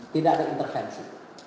tidak ada intervensi